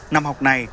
năm học này